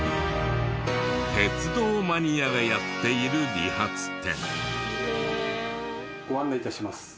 鉄道マニアがやっている理髪店。